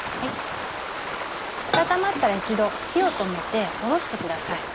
温まったら一度火を止めて下ろしてください。